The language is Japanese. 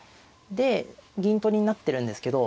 で銀取りになってるんですけど。